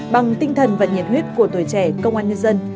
bằng tinh thần và nhiệt huyết của tuổi trẻ công an nhân dân